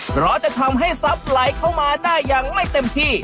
เพราะจะทำให้ทรัพย์ไหลเข้ามาได้อย่างไม่เต็มที่